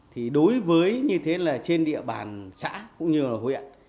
thì đối với như thế là trên địa bàn xã cũng như là huyện